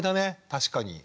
確かに。